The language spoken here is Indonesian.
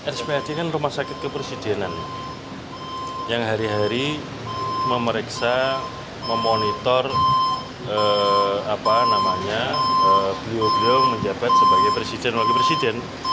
rspad kan rumah sakit kepresidenan yang hari hari memeriksa memonitor beliau beliau menjabat sebagai presiden wakil presiden